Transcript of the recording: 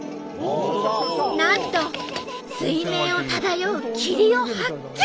なんと水面を漂う霧を発見。